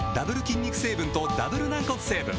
筋肉成分とダブル軟骨成分